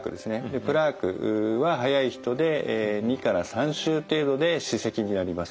プラークは早い人で２から３週程度で歯石になります。